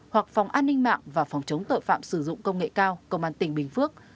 hoặc phòng an ninh mạng và phòng chống tội phạm sử dụng công nghệ cao công an tỉnh bình phước